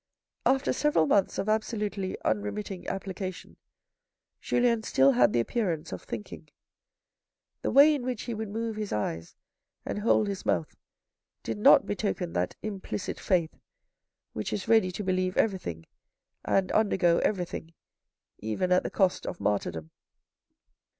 After several months of absolutely unremitting application, Julien still had the appearance of thinking. The way in which he would move his eyes and hold his mouth did not betoken that implicit faith which is ready to believe everything and undergo everything, even at the cost of martyrdom.